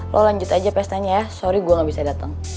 lo lanjut aja pestanya ya sorry gue gak bisa datang